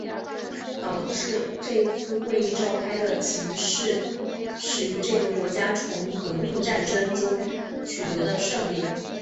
导致这次会议召开的情势始于这个国家从革命战争中取得胜利。